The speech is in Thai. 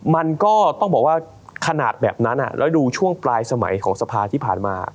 มันก็ต้องบอกว่าขนาดแบบนั้นแล้วดูช่วงปลายสมัยของสภาที่ผ่านมา